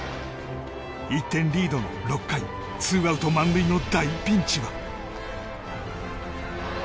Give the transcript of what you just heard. １点リードの６回ツーアウト満塁の大ピンチは。